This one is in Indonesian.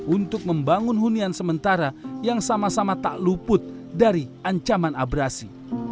untuk membangun hunian sementara yang sama sama tak luput dari ancaman abrasi